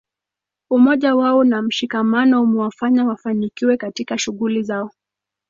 Umoja wao na mshikamano umewafanya wafanikiwe katika shughuli zao